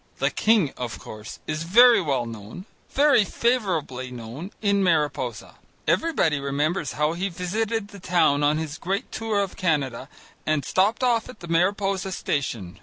The king, of course, is very well known, very favourably known, in Mariposa. Everybody remembers how he visited the town on his great tour in Canada, and stopped off at the Mariposa station.